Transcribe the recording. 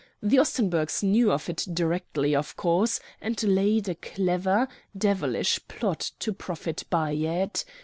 The Ostenburgs knew of it directly, of course, and laid a clever, devilish plot to profit by it.